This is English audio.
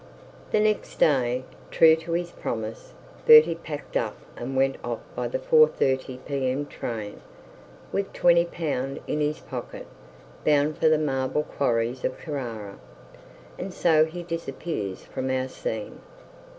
The next day, true to his promise, Bertie packed up and went of by the 4.30 P.M. train, with L 20 in his pocket, bound for the marble quarries of Carrara. And so he disappears from our scene.